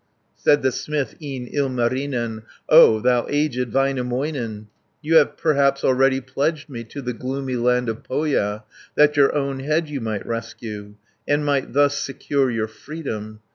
100 Said the smith, e'en Ilmarinen, "O thou aged Väinämöinen, You have perhaps already pledged me To the gloomy land of Pohja, That your own head you might rescue, And might thus secure your freedom.